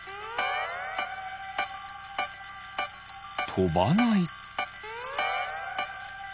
とばない。